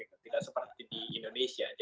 tidak seperti di indonesia